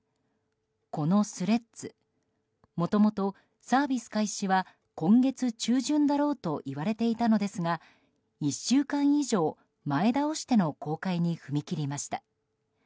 このスレッズもともとサービス開始は今月中旬だろうといわれていたのですが１週間以上、前倒しての公開に踏み切りました。